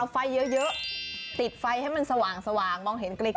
ไฟเยอะติดไฟให้มันสว่างมองเห็นไกล